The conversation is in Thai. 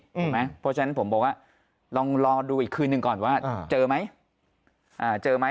เพราะฉะนั้นผมบอกว่าลองรอดูอีกคืนหนึ่งก่อนว่าเจอไหมเจอไหม